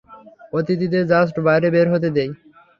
অতিথিদের জাস্ট বাইরে বের হতে দেই।